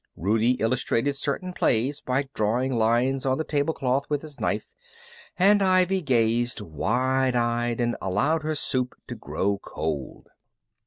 Rudie illustrated certain plays by drawing lines on the table cloth with his knife and Ivy gazed, wide eyed, and allowed her soup to grow cold.